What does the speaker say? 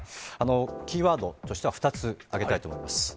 キーワードとしては２つ挙げたいと思います。